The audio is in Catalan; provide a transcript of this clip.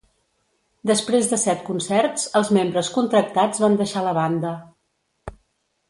Després de set concerts, els membres contractats van deixar la banda.